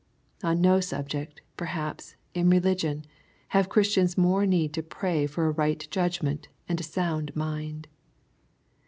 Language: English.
On no subject, perhaps, in religion, have Christians more need to pray for a right judgment and a sound mind.